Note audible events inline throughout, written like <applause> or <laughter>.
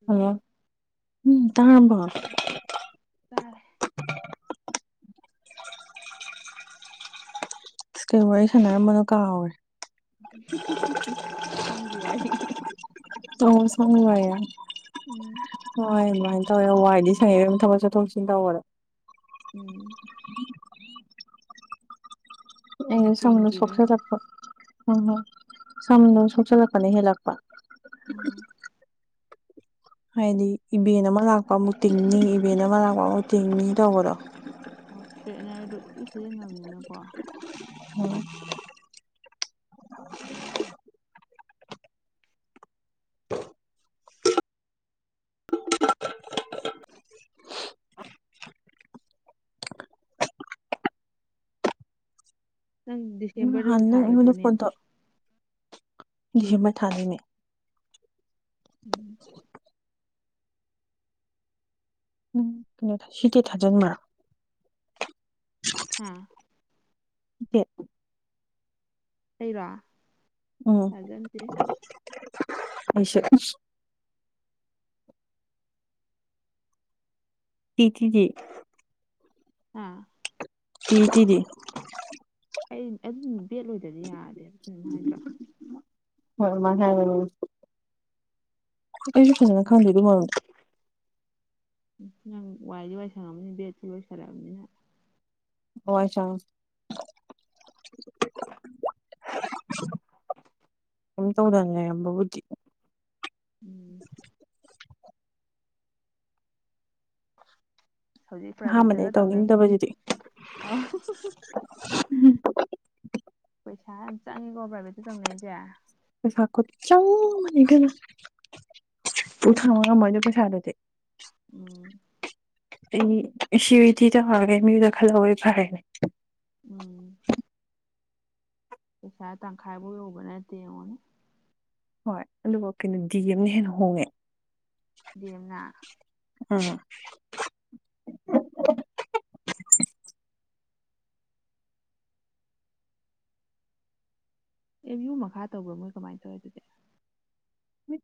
Hello ꯎꯝ ꯇꯥꯔꯕꯣ ꯑꯁ ꯇꯥꯏ ꯇꯥꯔꯦ ꯀꯩ ꯋꯥꯔꯤ ꯁꯥꯟꯅꯔꯝꯕꯅꯣ ꯀꯥꯎꯔꯦ ꯁꯝꯒꯤ ꯋꯥꯔꯤ <unintelligible> ꯎꯝ ꯍꯣꯏ ꯑꯗꯨꯃꯥꯏꯅ ꯇꯧꯋꯦ ꯋꯥꯏꯗꯤ ꯁꯪꯉꯦꯗ ꯑꯗꯨꯝ ꯊꯕꯛ ꯆꯠꯊꯣꯛ ꯆꯁꯤꯟ ꯇꯧꯕꯗꯣ ꯎꯝ ꯌꯥꯝ ꯑꯩꯩꯅ ꯁꯝꯗꯣ ꯆꯤꯡꯈꯤꯕꯅꯦ ꯁꯣꯛꯆꯜꯂꯛꯄ ꯎꯝ ꯁꯝꯗꯣ ꯁꯣꯛꯆꯜꯂꯛꯄꯅ ꯍꯦꯜꯂꯛꯄ ꯎꯝ ꯍꯥꯏꯗꯤ ꯏꯕꯦꯟ ꯑꯃ ꯂꯥꯛꯄ ꯑꯃꯨꯛ ꯇꯤꯡꯅꯤ ꯏꯕꯦꯟ ꯑꯃ ꯂꯥꯛꯄ ꯑꯃꯨ ꯇꯤꯡꯅꯤ ꯇꯧꯕꯗꯣ ꯑꯣ ꯏꯁꯇ꯭ꯔꯦꯠꯅꯔꯗꯨ ꯑꯗꯨꯝ ꯁꯤꯖꯤꯟꯅꯕꯅꯤꯅꯀꯣ ꯅꯪ ꯅꯍꯥꯟ ꯗꯤꯁꯦꯝꯕꯔꯗꯁꯨ ꯅꯪ ꯊꯥꯔꯣꯏꯗ꯭ꯔꯣ ꯑꯩꯉꯣꯟꯗ ꯐꯣꯟ ꯅꯦꯠꯇꯣ ꯇꯧ ꯗꯤꯁꯦꯝꯕꯔ ꯊꯗꯣꯢꯅꯦ ꯎꯝ ꯎꯝ ꯀꯩꯅꯣ ꯁꯤꯗꯤ ꯊꯥꯖꯤꯟꯕ꯭ꯔꯣ ꯍꯥ ꯇꯦꯠ ꯑꯩꯔꯣ ꯎꯝ ꯊꯥꯖꯟꯗꯦ ꯑꯩꯁꯨ ꯇꯤ ꯇꯤꯗꯤ ꯑꯥ ꯇꯤꯇꯤꯗꯤ ꯑꯩ ꯑꯗꯨ ꯕꯦꯠ ꯂꯣꯏꯗꯗꯤ ꯌꯥꯗꯦ ꯑꯗꯨꯅ ꯍꯥꯏꯗ꯭ꯔꯣ ꯍꯣꯏ ꯑꯗꯨꯃꯢ ꯍꯥꯢꯕꯅꯦ ꯑꯩꯩꯁꯨ ꯐꯖꯅ ꯈꯪꯗꯦ ꯑꯗꯨ ꯃꯔꯝꯗꯣ ꯅꯪ ꯋꯥꯏꯗꯤ ꯋꯥꯏꯁꯪꯉꯅꯤ ꯕꯦꯠꯁꯨ ꯂꯣꯏꯁꯜꯂꯛꯑꯕꯅꯤꯅ ꯋꯢ ꯁꯡꯉꯦ ꯀꯝ ꯇꯧꯗꯅ ꯂꯩꯔꯝꯕꯕꯨꯗꯤ ꯎꯝ ꯍꯧꯖꯤꯛ ꯑꯍꯥꯟꯕꯗ ꯄ꯭ꯔꯥꯏꯚꯦꯠꯇꯒ ꯑꯩ ꯇꯧꯅꯩꯔꯤꯁꯤ ꯇꯧꯅꯤꯡꯗꯕꯁꯤꯗꯤ ꯑ ꯄꯩꯁꯥ ꯌꯥꯝ ꯆꯪꯉꯤꯀꯣ ꯄ꯭ꯔꯥꯏꯚꯦꯠꯇ ꯇꯧꯅꯔꯤꯁꯦ ꯄꯩꯁꯥ ꯈꯨꯆꯪ ꯑꯃꯅꯤ ꯏꯕꯦꯝꯃꯥ ꯄꯨ ꯊꯥꯡ ꯉꯝꯃꯣꯢꯗ ꯄꯩꯁꯥꯗꯨꯗꯤ ꯎꯝ ꯑꯩ ꯁꯤ ꯎ ꯇꯤ ꯊꯔꯦ ꯃꯤꯗ ꯈꯜꯍꯛꯋꯦ ꯐꯔꯦꯅꯦ ꯎꯝ ꯄꯩꯁ ꯇꯪꯈꯥꯏꯕꯨ ꯌꯧꯕ ꯅꯠꯇꯦ ꯌꯦꯡꯉꯣꯅꯦ ꯍꯣꯏ ꯑꯗꯨꯕꯨ ꯀꯩꯅꯣ ꯗꯤ ꯑꯦꯝꯅ ꯍꯦꯟꯅ ꯍꯣꯡꯉꯦ ꯗꯦꯝꯅ ꯑꯝ ꯑꯦꯝ ꯌꯨ ꯃꯈꯥ ꯇꯧꯕ꯭ꯔꯣ ꯃꯣꯏ ꯀꯃꯥꯏꯅ ꯇꯧꯋꯦ ꯑꯗꯨꯗꯤ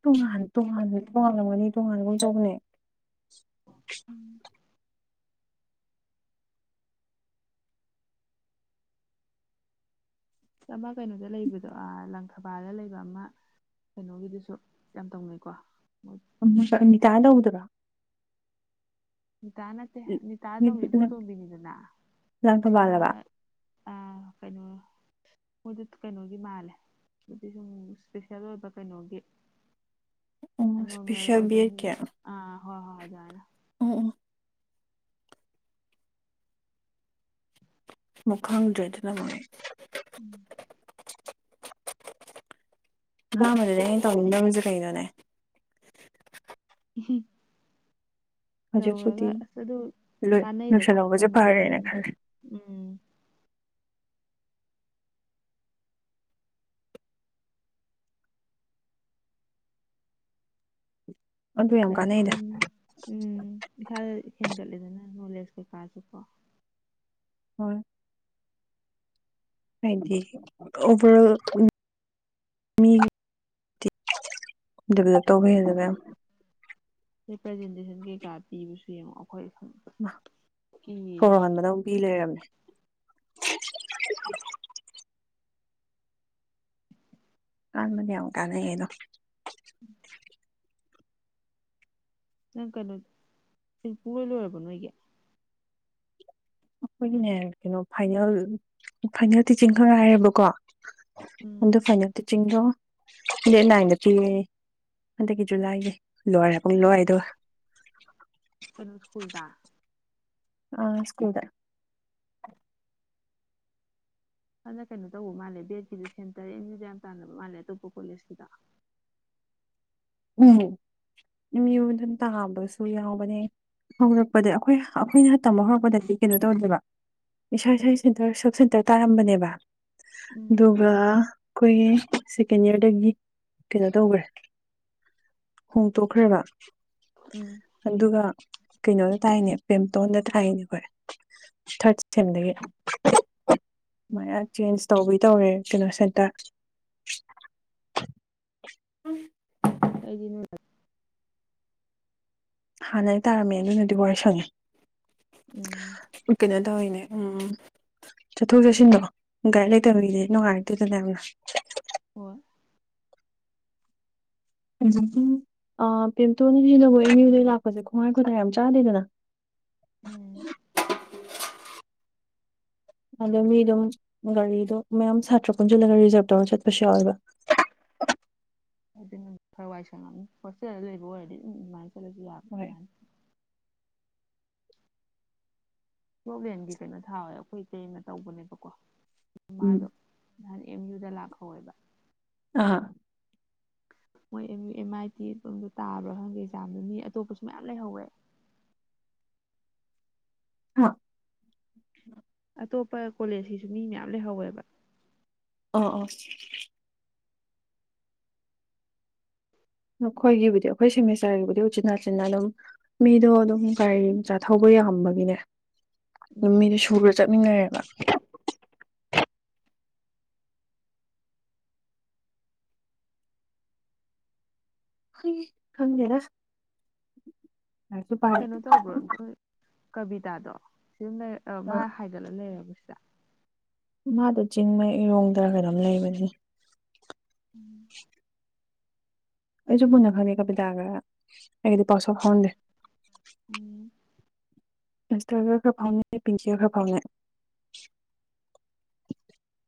ꯇꯣꯉꯥꯟ ꯇꯣꯉꯥꯟꯅ ꯇꯣꯉꯥꯂꯝꯒꯅꯤ ꯇꯣꯉꯥꯟꯕꯒꯨꯝꯇꯧꯕꯅꯦ ꯑꯃ ꯀꯩꯅꯣꯗ ꯂꯩꯕꯗꯣ ꯂꯪꯈꯕꯥꯜꯗ ꯂꯩꯕ ꯑꯃ ꯀꯩꯅꯣꯒꯤꯗꯨꯁꯨ ꯌꯥꯝ ꯇꯧꯅꯩꯀꯣ ꯃꯣꯏ ꯑꯃꯨꯛꯇꯥ ꯑꯅꯤ ꯇꯥꯛꯑꯩ ꯇꯧꯕꯗꯨꯔꯣ ꯅꯤꯇ ꯅꯠꯇꯦ ꯅꯇꯥꯗꯝ ꯏꯕꯣꯇꯣꯝ ꯅꯤꯗꯅ ꯑꯃꯥ ꯂꯥꯡꯊꯕꯥꯜꯂꯕ ꯑ ꯀꯩꯅꯣ ꯃꯣꯏꯗ ꯀꯩꯅꯣꯒꯤ ꯃꯥꯜꯂꯦ ꯑꯗꯨꯗꯤ ꯁꯨꯝ ꯏꯁꯄꯤꯁꯦꯜ ꯑꯣꯏꯕ ꯀꯩꯅꯣꯒꯤ <unintelligible> ꯅꯣꯔꯃꯦꯜ ꯏꯁꯄꯤꯁꯦꯜ ꯕꯤ ꯑꯦꯠꯀꯤ ꯑꯣꯏꯗꯕꯅꯤ ꯑꯥ ꯍꯣꯏ ꯍꯣꯏ ꯑꯗꯨꯃꯥꯏꯅ ꯑꯣ ꯑꯣ ꯑꯃꯨꯛ ꯈꯪꯗ꯭ꯔꯦꯗꯅ ꯃꯣꯏ꯫ ꯎꯝ꯫ ꯑꯍꯥꯟꯕꯗꯨꯅꯦ ꯑꯩꯅ ꯇꯧꯅꯤꯡꯗꯕꯁꯦ ꯀꯩꯅꯣꯅꯦ꯫ ꯍ ꯍꯧꯖꯤꯛꯄꯨꯗꯤ ꯇꯧꯔꯒ ꯑꯁ ꯑꯗꯨ ꯂꯣꯏ ꯀꯥꯟꯅꯩꯗꯀꯣ ꯂꯣꯏꯁꯤꯜꯍꯧꯕꯁꯦ ꯇꯝꯃꯨꯕꯗꯤ ꯐꯔꯦꯅ ꯂꯣꯏꯅ ꯈꯜꯂꯦ ꯎꯝ꯫ ꯑꯗꯨ ꯌꯥꯝ ꯀꯥꯟꯅꯩꯗ ꯂꯥꯏꯔꯤꯛꯇꯝ ꯏꯁꯥꯗ ꯍꯦꯟꯒꯠꯂꯦꯗꯅ ꯅꯣꯂꯦꯖ ꯀꯩꯀꯥꯁꯨ ꯀꯣ ꯍꯣꯏ꯫ ꯍꯥꯏꯗꯤ ꯑꯣꯚꯔ ꯑꯣꯜ ꯃꯤꯒꯤ꯫ ꯗꯗꯤꯕꯂꯞ ꯇꯧꯕ ꯍꯥꯏꯖꯕ ꯔꯤꯄ꯭ꯔꯖꯦꯟꯇꯦꯁꯟ ꯀꯩꯀꯥ ꯄꯤꯕꯁꯨ ꯌꯦꯡꯉꯑꯣ ꯑꯩꯈꯣꯏ ꯁꯨꯝ__ ꯍꯣꯔ ꯍꯟꯕꯗꯧ ꯄꯤ ꯂꯩꯔꯕꯝꯅꯦ꯫ ꯑꯜ ꯃꯗꯤ ꯌꯥꯝꯨ ꯀꯗ ꯌꯦꯩꯅꯣ ꯎꯝ ꯅꯪ ꯀꯩꯅꯣ ꯇꯜꯄꯨꯔ ꯂꯣꯏꯔꯕ ꯅꯣꯏꯒꯤ ꯑꯩꯈꯣꯏꯒꯤꯅꯦ ꯀꯩꯅꯣ ꯐꯥꯏꯅꯦꯜ ꯐꯥꯏꯅꯦꯜ ꯇꯤꯆꯤꯡ ꯈꯔ ꯍꯥꯏꯌꯦꯦꯕꯀꯣ ꯎꯝ ꯑꯗꯣ ꯐꯥꯏꯅꯦꯜ ꯇꯤꯆꯤꯡꯗꯣ ꯗꯦꯠ ꯅꯥꯏꯟꯗ ꯄꯤꯌꯦꯦ ꯍꯟꯗꯛꯀꯤ ꯖꯨꯂꯥꯏꯒꯤ꯫ ꯂꯣꯏꯔꯦ ꯄꯨꯡꯂꫭꯏ ꯑꯗꯨꯒ ꯀꯩꯅꯣ ꯁ꯭ꯀꯨꯜꯗ꯫ ꯑ ꯁꯀꯨꯜꯗꯔ ꯐꯅ ꯀꯩꯅꯣ ꯇꯧꯕ ꯃꯥꯜꯂꯦ ꯕꯦꯠꯀꯤꯗꯨ ꯁꯦꯟꯇꯔ ꯑꯦꯒ꯭ ꯌꯥꯝ ꯇꯥꯟꯅꯕ ꯃꯥꯜꯂꯦ ꯑꯇꯣꯞꯄ ꯀꯣꯂꯦꯖꯀꯤꯗꯣ꯫ ꯎꯝ ꯌ ꯑꯗꯨꯝ ꯇꯥꯕꯁꯨ ꯌꯥꯎꯕꯅꯦ ꯍꯧꯔꯛꯄꯗ ꯑꯩꯈꯣꯏ ꯑꯩꯈꯣꯏꯅ ꯇꯝꯕ ꯍꯧꯔꯛꯄꯗꯗꯤ ꯀꯩꯅꯣ ꯇꯧꯗꯕ ꯏꯁꯥ ꯏꯁ ꯁꯦꯟꯇꯔ ꯁꯕ ꯁꯦꯟꯇꯔ ꯇꯥꯔꯝꯕꯅꯦꯕ ꯎꯝ ꯑꯗꯨꯒ ꯑꯩꯈꯣꯏꯒꯤ ꯁꯦꯀꯦꯟ ꯌꯌꯥꯔꯗꯒꯤ ꯀꯩꯅꯣ ꯇꯧꯈ꯭ꯔꯦ ꯍꯣꯡꯗꯣꯛꯈ꯭ꯔꯦꯔ ꯎꯝ꯫ ꯑꯗꯨꯒ ꯀꯩꯅꯣꯗ ꯇꯥꯏꯅꯦ ꯄꯦꯝꯇꯣꯟꯗ ꯇꯥꯏꯅꯦ ꯑꯩꯈꯣꯏ ꯊꯥꯔꯠꯦꯝꯗꯒꯤ ꯃ ꯎꯝ ꯆꯦꯟꯖ ꯇꯧꯕꯩ ꯇꯧꯔꯦ ꯀꯩꯅꯣ ꯁꯦꯟꯇꯔ꯫ ꯀꯩꯗꯤꯅ ꯍꯥꯟꯅ ꯑꯩ ꯇꯥꯔꯝꯃꯦ ꯑꯗꯨꯅꯗꯤ ꯋꯥꯔꯤ ꯁꯪꯉꯦ ꯎꯝ ꯀꯩꯅꯣ ꯇꯧꯔꯤꯅꯦ ꯎꯝ ꯆꯠꯊꯣꯛ ꯆꯠꯁꯤꯟꯗꯣ ꯒꯥꯏꯗ ꯂꯩꯇꯕꯒꯤꯗꯤ ꯅꯨꯡꯉꯥꯏ꯫ ꯑꯗꯨ ꯇ꯫ ꯍ ꯑꯗꯨ ꯄꯦꯟꯇꯣꯅꯤꯁꯤꯅꯕꯨ ꯑꯩꯅꯤꯗꯩ ꯂꯥꯛꯄꯁꯦ ꯈꯣꯡꯒꯥꯏ ꯈꯨꯗꯥꯥꯏ ꯌꯥꯝ ꯆꯥꯗꯦꯗꯅ ꯎꯝ ꯑꯗꯣ ꯃꯤ ꯑꯗꯨꯝ ꯒꯥꯔꯤꯗꯣ ꯃꯌꯥꯝ ꯁꯥꯇ꯭ꯔ ꯄꯨꯟꯁꯤꯜꯂꯒ ꯔꯤꯖꯥꯞ ꯇꯧꯔꯒ ꯆꯠꯄꯁꯨ ꯌꯥꯎꯋꯦꯕ꯫ ꯑꯗꯨꯅ ꯈꯔꯋꯥꯏ ꯁꯪꯉꯝꯅꯤ ꯍꯣꯁꯇꯦꯜꯗ ꯂꯩꯕ ꯑꯣꯏꯔꯗꯤ ꯑꯗꯨꯝ ꯑꯗꯨꯃꯥꯏꯅ ꯆꯠꯂꯁꯨ ꯍꯣꯏ ꯌꯥꯅꯤ ꯄ꯭ꯔꯣꯕ꯭ꯂꯦꯝꯒꯤ ꯀꯩꯅꯣ ꯊꯥꯎꯋꯦ ꯑꯩꯈꯣꯏ ꯏꯇꯩꯅ ꯇꯧꯕꯅꯦꯕꯀꯣ ꯎꯝ ꯃꯥꯗꯣ ꯅꯍꯥꯟ ꯑꯦꯝ ꯌꯨꯗ ꯂꯥꯛꯍꯧꯋꯦꯕ꯫ ꯑ ꯃꯣꯏ M U M I T ꯑꯗꯨꯝꯗꯣ ꯇꯥꯕ꯭ꯔꯥ ꯈꯪꯗꯦ ꯑꯦꯛꯖꯥꯝꯗ ꯃꯤ ꯑꯇꯣꯞꯄꯁꯨ ꯃꯌꯥꯝ ꯂꯩꯍꯧꯋꯦ꯫ 'unintelligible' ꯑꯇꯣꯞꯄ ꯀꯣꯂꯦꯖꯁꯤꯁꯨ ꯃꯤ ꯃꯌꯥꯝ ꯂꯩꯍꯧꯋꯦꯕ꯫ ꯑꯥ ꯑꯥ ꯑꯩꯈꯣꯏꯒꯤꯕꯨꯗꯤ ꯑꯩꯈꯣꯏ ꯁꯦꯃꯤꯁꯇꯔꯒꯤꯕꯨꯗꯤ ꯎꯆꯤꯟꯅꯥꯆꯤꯟꯅ ꯑꯗꯨꯝ ꯃꯤꯗꯣ ꯑꯗꯨꯝ ꯒꯥꯔꯤ ꯃꯆꯥ ꯊꯧꯕ ꯌꯥꯝꯕꯒꯤꯅꯦ꯫ ꯗꯨ ꯎꯝ ꯃꯤꯗꯨ ꯁꯨꯔ ꯆꯠꯃꯤꯟꯅꯔꯦꯕ ꯍꯨꯏ ꯈꯪꯗꯦꯗ ꯂꯥꯏꯔꯤꯛꯁꯨ ꯄꯥꯏ ꯀꯩꯅꯣ ꯇꯧꯕ꯭ꯔꯣ ꯑꯥ ꯀꯕꯤꯇꯥꯗꯣ ꯁꯤꯁꯨꯝꯂꯩ ꯃꯥ ꯍꯥꯏꯒꯠꯂ ꯂꯩꯔꯕ‌ꯣ ꯁꯤꯗ ꯃꯥꯗꯣ ꯆꯤꯡꯃꯩꯔꯣꯡꯗꯔ ꯀꯩꯅ‌ꯣꯝ ꯂꯩꯕꯅꯤ ꯎꯝ ꯑꯩꯁꯨ ꯃꯨꯟꯅ ꯈꯪꯉꯦ ꯀꯕꯤꯇꯥꯒ ꯑꯩꯒꯗꯤ ꯄꯥꯎꯁꯥꯎ ꯐꯥꯎꯅꯗꯦ ꯎꯝ ꯏꯟꯁꯇꯔꯒ ꯈꯔ ꯐꯥꯎꯅꯩ ꯄꯤꯡꯀꯤꯒ ꯈꯔ ꯐꯥꯎꯅꯩ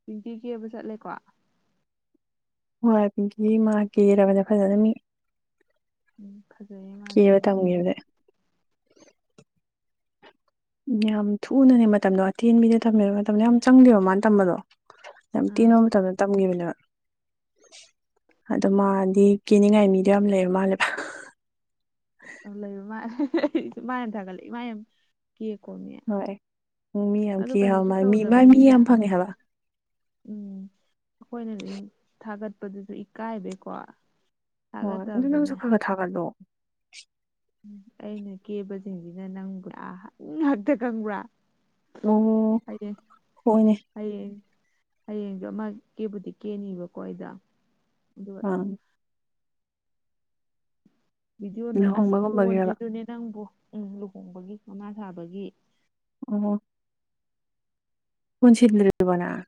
ꯄꯤꯟꯇꯤ ꯀꯦꯕ ꯆꯠꯂꯦꯀꯣ ꯍꯣꯏ ꯄꯤꯡꯀꯤ ꯃꯥ ꯀꯦꯔꯕꯅꯦ ꯐꯖꯅ ꯃꯤ ꯎꯝ ꯐꯖꯩꯌꯦ ꯃꯥꯁꯨ ꯀꯦꯕ ꯑꯗꯨꯝ ꯀ‌ꯦꯕꯗ ꯇꯝꯈꯤꯕꯗꯩ ꯌꯥꯝ ꯊꯨꯅꯅꯦ ꯃꯇꯝꯗꯣ ꯑꯇꯦꯟꯕꯤꯗ ꯊꯝꯃꯦꯕ ꯃꯇꯝꯗꯣ ꯌꯥꯝ ꯆꯪꯗꯦꯕ ꯃꯥꯅ ꯇꯝꯕꯗꯣ ꯌꯥꯝ ꯇ‌ꯦꯟꯕ ꯑꯥ ꯃꯇꯝꯗ ꯇꯝꯈꯤꯕꯅꯦꯕ ꯑꯗꯣ ꯃꯥꯗꯤ ꯀ‌ꯦꯅꯤꯡꯉꯥꯏ ꯃꯤꯗꯣ ꯌꯥꯝ ꯂꯩꯔ ꯃꯥꯜꯂꯦꯕ ꯂꯩꯕ ꯃꯥꯜ <unintelligible> ꯃꯥꯅ ꯊꯥꯒꯠꯂꯛꯏ ꯃꯥ ꯌꯥꯝ ꯀꯦꯀꯣꯅꯦ ꯍꯣꯏ ꯎꯝ ꯃꯤ ꯌꯥꯝ ꯑꯗ‌ꯣ ꯀꯤꯍꯕ ꯀꯩꯅꯣꯁꯨ ꯃꯥ ꯃꯤ ꯃꯥ ꯃꯤ ꯇꯧꯗꯕꯩꯅꯤꯗ ꯌꯥꯝ ꯐꯪꯉꯦ ꯍꯥꯏꯕ ꯎꯝ ꯑꯩꯈꯣꯏꯅ <unintelligible> ꯊꯥꯒꯠꯄꯗꯨꯁꯨ ꯏꯀꯥꯏꯕꯩꯀꯣ ꯍꯣꯏ ꯑꯗ‌ꯣ ꯅꯪꯁꯨ ꯊꯥꯒꯠꯇꯕꯗꯅꯦ ꯈꯔ ꯈꯔ ꯊꯥꯒꯠꯂꯣ ꯎ ꯑꯩꯅ ꯀꯦꯕꯁꯤꯡꯁꯤꯅ ꯅꯪ ꯄꯨꯔꯥ <unintelligible> ꯉꯥꯛꯇ ꯈꯪꯕ꯭ꯔꯥ ꯑꯣ ꯍꯌꯦꯡ ꯍꯣꯏꯅꯦ ꯍꯌꯦꯡ ꯍꯌꯦꯡꯗꯣ ꯑꯃ ꯀꯦꯕꯨꯗꯤ ꯀꯦꯅꯤꯕꯀꯣ ꯑꯩꯗ‌ꯣ ꯑꯗꯨꯒ ꯑꯪ ꯁꯨꯝ ꯚꯤꯗꯤꯑꯣꯅ ꯑꯁ ꯂꯨꯍꯣꯡꯕꯒꯨꯝꯕꯒꯤꯔꯕ ꯐꯣꯟꯁꯤꯁꯨꯅꯦ ꯅꯪꯕꯨ ꯎꯝ ꯂꯨꯍꯣꯡꯕꯒꯤ ꯃꯉꯥ ꯊꯥꯕꯒꯤ ꯑꯣ ꯐꯣꯟ ꯁꯤꯟꯗꯔꯤꯕ‌ꯣ ꯅꯪ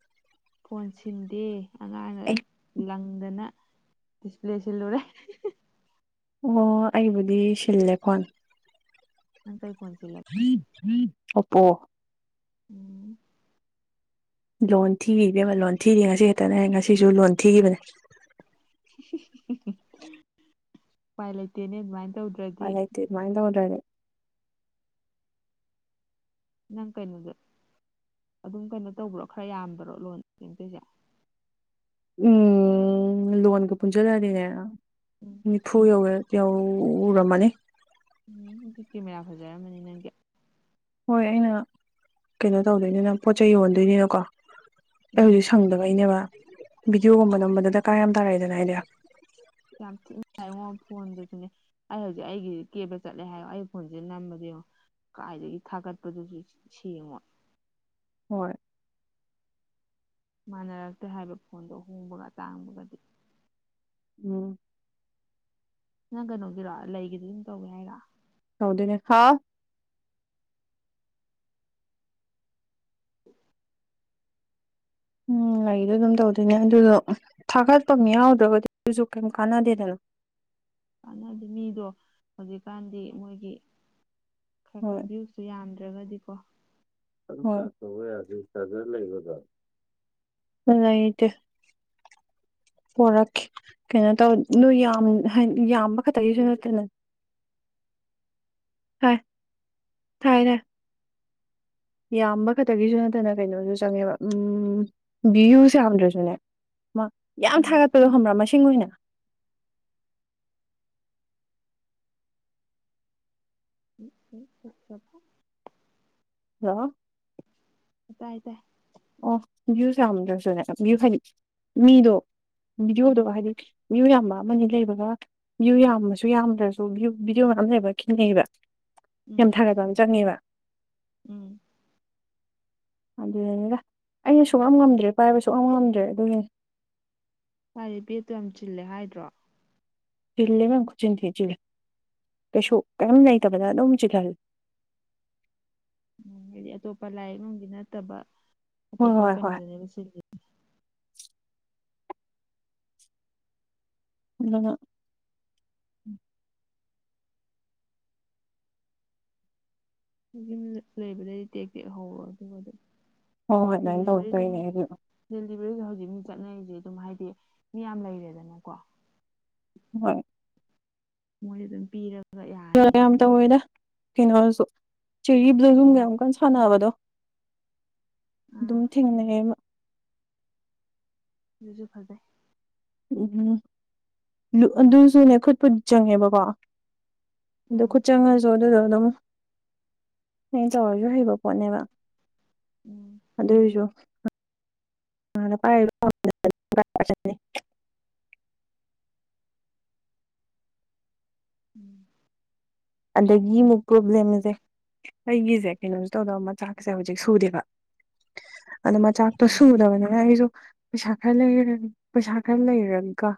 ꯐꯣꯟ ꯁꯤꯟꯗꯦ ꯑꯉꯥꯡꯅ ꯑꯩ ꯂꯪꯗꯅ ꯗꯤꯁꯄ꯭ꯂꯦ ꯁꯤꯜꯂꯨꯔꯦ ꯑꯣ ꯑꯩꯕꯨꯗꯤ ꯁꯤꯜꯂꯦ ꯐ‌ꯣꯟ ꯅꯪ ꯀꯩ ꯐꯣꯟ ꯁꯤꯜꯂ‌ꯦ ꯑꯣꯄꯣ ꯎꯝ ꯂꯣꯟ ꯊꯤꯔꯤ ꯏꯕꯦꯝꯃ ꯂꯣꯟ ꯊꯤꯔꯤ ꯉꯁꯤ ꯈꯠꯇꯅꯦ ꯉꯁꯤꯁꯨ ꯂꯣꯟ ꯊꯤꯈꯤꯕꯅꯦ ꯎꯄꯥꯏ ꯂꯩꯇꯦꯅꯦ ꯑꯗꯨꯃꯥꯏꯅ ꯇꯧꯗ ꯎꯄꯥꯏ ꯂꯩꯇꯦ ꯑꯗꯨ ꯃꯥꯏꯅ ꯇꯧꯗꯔꯗꯤ ꯅꯪ ꯀꯩꯅꯣꯗ‌ꯣ ꯑꯗꯨꯝ ꯀꯩꯅꯣ ꯇꯧꯕ꯭ꯔꯣ ꯈꯔ ꯌꯥꯝꯕ꯭ꯔꯣ ꯂꯣꯟ <unintelligible> ꯇꯨꯏꯖ‌ꯦ ꯎꯝ ꯂꯣꯟꯒ ꯄꯨꯟꯖꯜꯂꯗꯤꯅꯦ ꯎꯝ ꯅꯤꯐꯨ ꯌꯧꯋ‌ꯦ ꯌꯧꯔꯝꯃꯅꯤ ꯎꯝ ꯗꯨ ꯀꯦꯃꯦꯔꯥ ꯐꯖꯔꯃꯅꯤ ꯅꯪꯒꯤ ꯍꯣꯏ ꯑꯩꯅ ꯀꯩꯅꯣ ꯇꯧꯗꯣꯏꯅꯤꯅ ꯄꯣꯠ ꯆꯩꯩ ꯌꯣꯟꯗꯣꯏꯅꯤꯅꯀꯣ ꯑꯩ ꯎꯝ ꯍꯧꯖꯤꯛ ꯁꯪꯗꯕꯩꯅ‌ꯦꯕ ꯚꯤꯗꯤꯑꯣꯒꯨꯝꯕ ꯎꯝ ꯅꯝꯕꯗ ꯗꯔꯀꯥꯔ ꯌꯥꯝ ꯇꯥꯔꯛꯏꯗꯅ ꯑꯩꯗꯤ ꯌꯥꯝ ꯊꯤꯅ <unintelligible> ꯉꯥꯏꯉꯣ ꯐꯣꯟꯗꯨꯁꯨꯅꯦ ꯑꯩ ꯍꯧꯖꯤꯛ ꯑꯩꯒꯤ ꯀꯦꯕ ꯆꯠꯂꯦ ꯍꯥꯏꯌꯣ ꯑꯩ ꯐꯣꯟꯁꯤꯗ ꯅꯝꯕꯗꯣ ꯌ‌ꯦꯡ ꯀꯥꯏꯗꯒꯤ ꯊꯥꯒꯠꯄꯗꯨꯁꯨ ꯁꯦꯡꯉꯣꯏ ꯍꯣꯏ ꯃꯥꯟꯅꯔꯛꯇꯦ ꯍꯥꯏꯕ ꯐꯣꯟꯗꯣ ꯑꯍꯣꯡꯕꯒ ꯑꯇꯥꯡꯕꯒꯗꯤ ꯎꯝ ꯅꯪ ꯀꯩꯅꯣꯒꯤꯔꯣ ꯂꯩꯒꯤꯗꯨ ꯗꯨꯝ ꯇꯧꯒꯦ ꯍꯥꯏꯔ‌ꯣ ꯇꯧꯗꯨꯏꯅꯦ ꯍꯥꯥꯎ <unintelligible> ꯎꯝ ꯂꯩꯗꯣ ꯑꯗꯨꯝ ꯇꯧꯗꯣꯏꯅꯦ ꯑꯗꯨꯗꯣ ꯊꯥꯒꯠꯄꯝ ꯌꯥꯎꯗ꯭ꯔꯒꯗꯤ ꯑꯗꯨꯁꯨ ꯀꯩꯝ ꯀꯥꯟꯅꯗꯦꯗꯅ ꯀꯥꯟꯅꯗꯤ ꯃꯤꯗꯣ ꯍꯧꯖꯤꯛꯀꯥꯟꯗꯤ ꯃꯣꯏꯒꯤ ꯈꯔ ꯈꯔ ꯍꯣꯏ ꯚꯌꯨ ꯁꯨ ꯌꯥꯝꯗ꯭ꯔꯒꯗꯤꯀꯣ꫰꫰ ꯍꯣꯏ ꯂꯩꯇꯦ꯫ ꯄꯣꯔꯛꯀꯦ ꯀꯩꯅꯣ ꯇꯧ ꯅꯣꯏ ꯌꯥꯝ ꯌꯥꯝꯕ ꯈꯛꯇꯒꯤꯁꯨ ꯅꯠꯇꯦꯅ ꯇꯥꯏ ꯇꯥꯏ ꯇꯥꯏ꯫ ꯌꯥꯝꯕ ꯈꯛꯇꯒꯤꯁꯨ ꯅꯠꯇꯅ ꯀꯩꯅꯣꯁꯨ ꯆꯪꯉꯦꯕ ꯎꯝ ꯚ꯭ꯌꯨꯁ ꯌꯥꯝꯗ꯭ꯔꯁꯨꯅꯦ ꯃꯥ ꯌꯥꯝ ꯎꯝ ꯊꯥꯒꯠꯄꯗꯣ ꯈꯝꯕ꯭ꯔꯥ ꯃꯁꯤꯡ ꯑꯣꯏꯅ꯫ <unintelligible> ꯍꯥꯜꯂꯣ꯫ ꯑ ꯇꯥꯏ ꯇꯥꯏ꯫ ꯑꯣ ꯚ꯭ꯌꯨꯁ ꯌꯥꯝꯗ꯭ꯔꯁꯨꯅꯦ ꯚ꯭ꯌꯨ ꯍꯥꯏꯗꯤ ꯃꯤꯗꯣ ꯚꯤꯗꯤꯑꯣꯗꯣ ꯎꯝ ꯍꯥꯏꯗꯤ ꯚ꯭ꯌꯨꯁ ꯌꯥꯝꯕ ꯑꯃꯅꯤ ꯂꯩꯕꯒ ꯚ꯭ꯌꯨ ꯌꯥꯝꯃꯁꯨ ꯌꯥꯝꯗ꯭ꯔꯁꯨ ꯚ꯭ꯌꯨ ꯚꯤꯗꯤꯑꯣ ꯃꯌꯥꯝ ꯂꯩꯕ ꯈꯤꯅꯩꯑꯕ ꯌꯥꯝ ꯎꯝ ꯊꯥꯒꯠꯄ ꯑꯃ ꯆꯪꯉꯦꯕ꯫ ꯎꯝ꯫ ꯑꯗꯨꯅꯤꯗ ꯑꯩꯅ ꯁꯨꯡꯛꯉꯝ ꯉꯝꯗ꯭ꯔꯦ ꯄꯥꯏꯕ ꯁꯨꯡꯉꯝ ꯉꯝꯗ꯭ꯔꯦ ꯑꯗꯨꯒꯤꯅꯤ꫰ ꯃꯥꯏꯗꯨ ꯕꯦꯠꯇꯣ ꯌꯥꯝ ꯆꯤꯜꯂꯦ ꯍꯥꯏꯗ꯭ꯔꯣ꯫ ꯆꯤꯜꯂꯦ ꯏꯕꯦꯝꯃ ꯈꯨꯠꯆꯤꯟ ꯊꯤ ꯆꯤꯜꯂꯤ ꯀꯩꯁꯨ ꯀꯩꯝ ꯂꯩꯇꯕꯗ ꯑꯗꯨꯝ ꯆꯤꯜꯍꯜꯂꯦ꯫ ꯎꯝ ꯍꯥꯏꯗꯤ ꯑꯇꯣꯞꯄ ꯂꯥꯏꯔꯤꯛ ꯅꯨꯡꯗꯤ ꯅꯠꯇꯕ ꯍꯣꯏ ꯑꯇꯣꯞꯄ ꯍꯣꯏ ꯍꯣꯏ ꯀꯩꯅꯣꯗꯅꯦꯕ ꯆꯤꯜꯂꯤ ꯑꯃꯅ ꯌꯨꯝ ꯂꯩꯕꯗꯒꯤꯗꯤ ꯇꯦꯛ ꯇꯦꯛꯍꯧꯔꯣ ꯑꯗꯨꯒ ꯑꯗꯨꯝ ꯍꯣꯏ ꯍꯣꯏ ꯑꯗꯨꯃꯥꯏꯅ ꯇꯧꯋꯦ ꯗꯦꯂꯤꯕꯔꯤꯁꯨ ꯇꯧꯔꯤꯅꯦ ꯑꯩꯁꯨ ꯗꯦꯂꯤꯕꯔꯤꯗ ꯍꯧꯖꯤꯛ ꯃꯤ ꯆꯠꯅꯔꯤ ꯑꯗꯨꯝ ꯍꯥꯏꯗꯤ ꯃꯤ ꯌꯥꯝ ꯂꯩꯔꯦꯗꯅꯀꯣ꯫ ꯍꯣꯏ꯫ ꯃꯣꯏꯗ ꯑꯗꯨꯝ ꯄꯤꯔꯒ ꯀꯥꯗꯔ ꯌꯥꯔꯅꯤꯕ ꯌꯥꯝ ꯇꯧꯋꯦꯗ ꯀꯩꯅꯣꯗꯨꯁꯨ ꯆꯦꯔꯤꯕꯂꯨꯏ ꯍꯨꯝꯒ ꯎꯝ ꯌꯥꯝ ꯀꯟꯁꯥꯟꯅꯕꯗꯣ꯫ ꯑꯥ ꯑꯗꯨꯝ ꯊꯦꯡꯅꯩꯍꯌꯦ ꯃꯥ꯫ ꯑꯗꯨꯁꯨ ꯐꯖꯩ꯫ ꯎꯝ ꯑꯗꯨꯁꯨꯅꯦ ꯈꯨꯠꯄꯨꯗꯤ ꯆꯪꯉꯦꯕꯀꯣ꯫ ꯑꯗꯨ ꯎꯝ ꯈꯨꯠ ꯆꯪꯉꯁꯨ ꯑꯗꯨꯗ ꯑꯗꯨꯝ ꯑꯩꯅ ꯇꯧꯔꯁꯨ ꯍꯩꯕ ꯄꯣꯠꯅꯦꯕ꯫ ꯎꯝ ꯑꯗꯨꯏꯁꯨ꯫ <unintelligible> ꯎꯝ꯫ ꯑꯗꯒꯤ ꯃꯤꯠ ꯄ꯭ꯔꯣꯕ꯭ꯂꯦꯝꯁꯦ ꯑꯩꯒꯤꯁꯦ ꯀꯩꯅꯣꯁꯨ ꯇꯧꯗꯕ ꯃꯆꯥꯛꯁꯦ ꯍꯧꯖꯤꯛ ꯁꯨꯗꯦꯕ꯫ ꯑꯗꯣ ꯃꯆꯥꯛꯇꯣ ꯎꯝ ꯁꯨꯗꯕꯅꯤꯅ ꯑꯩꯁꯨ ꯄꯩꯁꯥ ꯈꯔ ꯂꯩꯔ ꯄꯩꯁꯥ ꯈꯔ ꯂꯩꯔꯒ꯫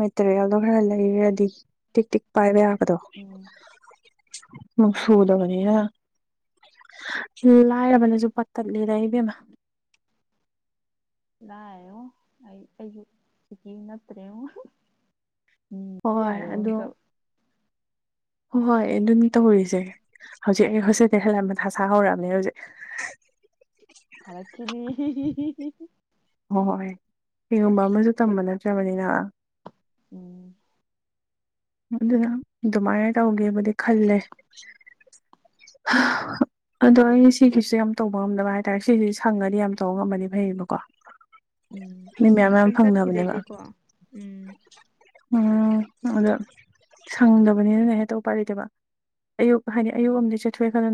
ꯃꯦꯇꯔꯦꯜꯗꯣ ꯈꯔ ꯂꯩꯔꯗꯤ ꯇꯤꯛ ꯇꯤꯛ ꯄꯥꯏꯕ ꯌꯥꯕꯗꯣ꯫ ꯑꯣ꯫ ꯃꯣꯛ ꯁꯨꯨꯗꯕꯅꯤ ꯂꯥꯏꯔꯕꯅꯁꯨ ꯄꯠꯇꯠꯂꯦꯗ ꯏꯕꯦꯝꯃ꯫ ꯏꯀꯥꯏꯉꯣ ꯑꯩ ꯑꯩꯁꯨ ꯁꯤꯀꯤ ꯅꯞꯇ꯭ꯔꯦꯉꯣ꯫ ꯎꯝ ꯍꯣꯏ ꯌꯥꯗꯒꯨꯝꯇꯧ꯫ ꯍꯣꯏ ꯍꯣꯏ ꯑꯩ ꯑꯗꯨꯝ ꯇꯧꯔꯤꯁꯦ ꯍꯧꯖꯤꯛ ꯑꯩ ꯍꯣꯁꯦꯜ ꯍꯥꯜꯂꯛ ꯃꯊꯥ ꯁꯥ ꯍꯧꯔꯛꯑꯝꯅꯤ ꯍꯧꯖꯤꯛ꯫ ꯁꯥꯔꯛꯈꯤꯅꯤ꯫ <unintelligible> ꯍꯣꯏ ꯍꯣꯏ ꯀꯩꯒꯨꯝꯕ ꯑꯃꯁꯨ ꯇꯝꯕ ꯅꯠꯇ꯭ꯔꯕꯅꯤꯅ꯫ ꯎꯝ꯫ ꯑꯗꯨꯅ ꯑꯗꯨꯃꯥꯏꯅ ꯇꯧꯒꯦꯕꯨꯗꯤ ꯈꯜꯂꯦ꯫ ꯑꯗꯣ ꯑꯩ ꯁꯤꯒꯤꯁꯨ ꯌꯥꯝ ꯇꯧꯕ ꯉꯝꯗꯕ ꯍꯥꯏꯇꯥꯔꯦ ꯁꯤꯒꯤꯁꯦ ꯁꯪꯉꯗꯤ ꯌꯥꯝ ꯇꯧꯕ ꯉꯝꯃꯗꯤ ꯐꯩꯌꯦꯕꯀꯣ꯫ ꯎꯝ ꯃꯤ ꯃꯌꯥꯝ ꯃꯌꯥꯝ ꯑꯃꯨꯛꯇꯪ ꯐꯪꯅꯕꯅꯦꯕ ꯆꯠꯈꯤꯗꯩꯗꯤꯀꯣ ꯎꯝ꯫ ꯑꯥ ꯑꯗꯨ ꯁꯪꯗꯕꯅꯤꯅ ꯍꯦꯛꯇ ꯎꯄꯥꯏ ꯂꯩꯇꯦꯕ ꯑꯌꯨꯛ ꯍꯥꯏꯗꯤ ꯑꯌꯨꯛ ꯑꯝꯗꯤ ꯆꯠꯊꯣꯛꯑꯦ ꯈꯜꯂ